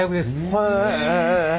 へえ。